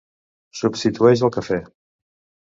Substitueix el cafè.